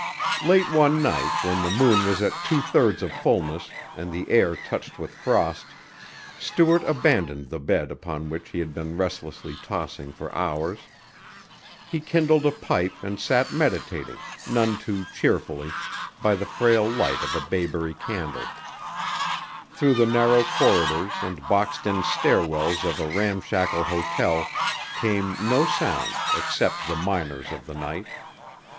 Late one night, when the moon was at two thirds of fullness and the air touched with frost, Stuart abandoned the bed upon which he had been restlessly tossing for hours. He kindled a pipe and sat meditating, none too cheerfully, by the frail light of a bayberry candle. Through the narrow corridors and boxed in stair wells of a ramshackle hotel, came no sounds except the minors of the night.